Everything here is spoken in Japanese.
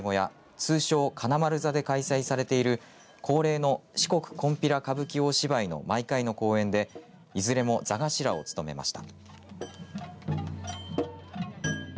通称金丸座で開催されている恒例の四国こんぴら歌舞伎大芝居の毎回の公演でいずれも座頭を務めました。